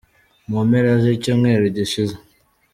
mu mpera z’icyumweru gishize.